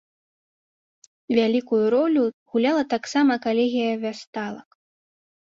Вялікую ролю гуляла таксама калегія вясталак.